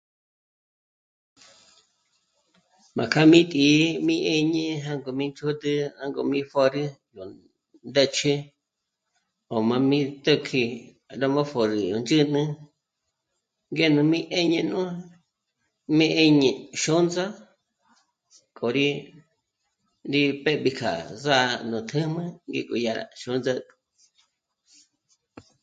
Má kja mí tǐ'i mí 'ěñe jângo mí ch'ǜtü jângo má rí pjö̌d'ü yó ndë̌ch'i 'ó ma mí tékji rá má pjôd'ü à ndzhǘnü ngé nú mí 'ěñe nú... mé 'ěñe Xóndza k'o rí... rí péb'i kja sà'a nú kjü'mü ngí k'o yá Xóndza